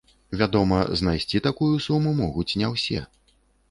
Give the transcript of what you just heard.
Вядома, знайсці такую суму могуць не ўсе.